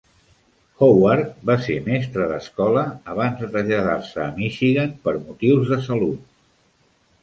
Howard va ser mestre d'escola abans de traslladar-se a Michigan per motius de salut.